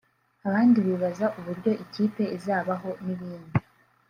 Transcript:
abandi bibaza uburyo ikipe izabaho n’ibindi